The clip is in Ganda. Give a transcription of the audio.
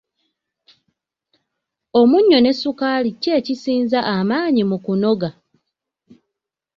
Omunnyo ne ssukaali ki ekisinza amaanyi mu kunoga?